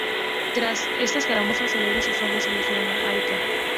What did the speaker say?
Tras esta escaramuza Soler y sus hombres se dirigieron a Arica.